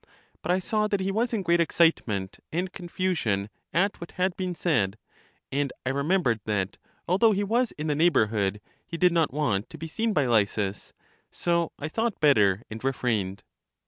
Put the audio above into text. But I saw that he was in great excitement and confusion at what had been said; and I remembered that, although he was in the neighbor hood, he did not want to be seen by Lysis, so I thought better and refrained.